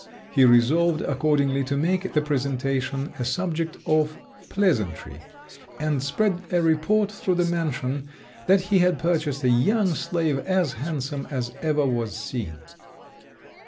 He resolved, accordingly, to make the presentation a subject of pleasantry, and spread a report through the mansion that he had purchased a young slave as handsome as ever was seen.